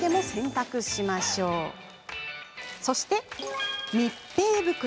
そして密閉袋。